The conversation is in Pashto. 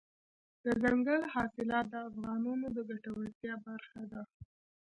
دځنګل حاصلات د افغانانو د ګټورتیا برخه ده.